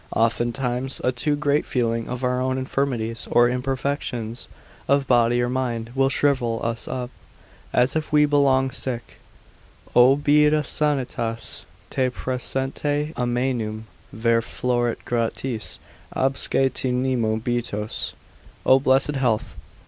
Oftentimes a too great feeling of our own infirmities or imperfections of body or mind, will shrivel us up; as if we be long sick: O beata sanitas, te praesente, amaenum Ver florit gratiis, absque te nemo beatus: O blessed health!